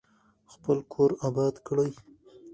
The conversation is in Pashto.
خپل کور اباد کړئ.